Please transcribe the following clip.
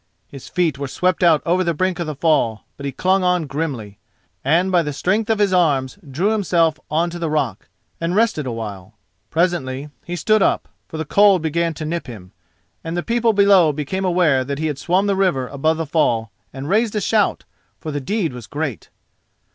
His feet were swept out over the brink of the fall, but he clung on grimly, and by the strength of his arms drew himself on to the rock and rested a while. Presently he stood up, for the cold began to nip him, and the people below became aware that he had swum the river above the fall and raised a shout, for the deed was great.